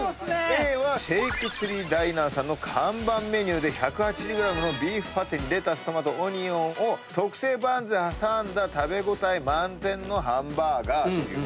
Ａは「ｓｈａｋｅｔｒｅｅＤＩＮＥＲ」さんの看板メニューで１８０ｇのビーフパテにレタストマトオニオンを特製バンズで挟んだ食べ応え満点のハンバーガー。